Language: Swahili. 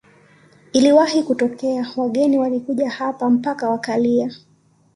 Iliwahi kutokea wageni walikuja hapa mpaka wakalia